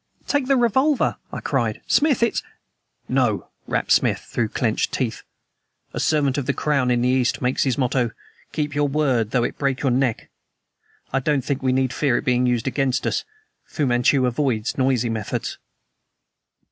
"Take the revolver," I cried. "Smith, it's " "No," he rapped, through clenched teeth. "A servant of the Crown in the East makes his motto: 'Keep your word, though it break your neck!' I don't think we need fear it being used against us. Fu Manchu avoids noisy methods."